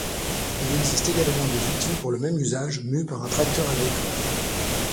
Il existe également des outils pour le même usage mus par un tracteur agricole.